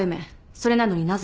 それなのになぜ？